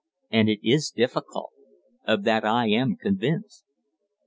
And it is difficult. Of that I am convinced."